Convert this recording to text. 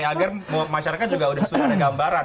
agar masyarakat juga sudah ada gambaran